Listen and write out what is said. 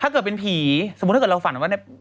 ถ้าเกิดเป็นผีสมมุติถ้าเกิดเราฝันว่า